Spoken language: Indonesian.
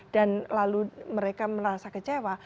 dan lalu mereka merasa kecewa